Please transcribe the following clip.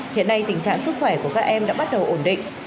hiện nay tình trạng sức khỏe của các em đã bắt đầu ổn định